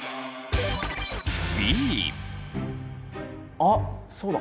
あっそうだ